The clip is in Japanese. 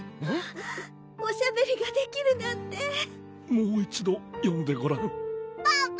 おしゃべりができるなんてもう一度よんでごらんぱぱ！